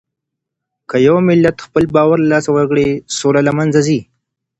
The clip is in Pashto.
که يو ملت خپل باور له لاسه ورکړي، سوله له منځه ځي.